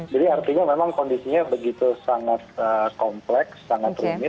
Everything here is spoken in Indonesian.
jadi artinya memang kondisinya begitu sangat kompleks sangat limit